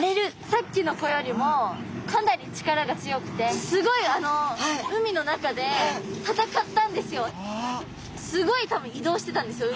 さっきの子よりもかなり力が強くてすごいあのすごい多分移動してたんですよ